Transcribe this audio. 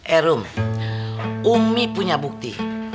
erum umi punya bukti